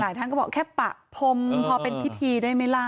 ท่านก็บอกแค่ปะพรมพอเป็นพิธีได้ไหมล่ะ